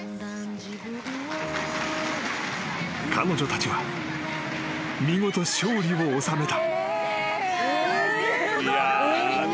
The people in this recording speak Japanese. ［彼女たちは見事勝利を収めた］